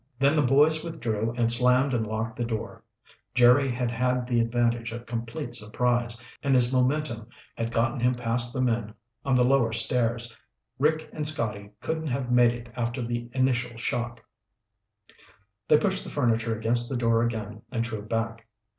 Then the boys withdrew and slammed and locked the door. Jerry had had the advantage of complete surprise, and his momentum had gotten him past the men on the lower stairs. Rick and Scotty couldn't have made it after the initial shock. They pushed the furniture against the door again and drew back.